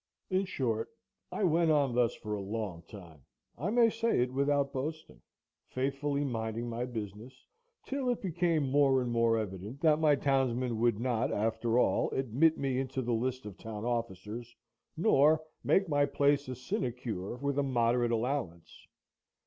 In short, I went on thus for a long time, I may say it without boasting, faithfully minding my business, till it became more and more evident that my townsmen would not after all admit me into the list of town officers, nor make my place a sinecure with a moderate allowance.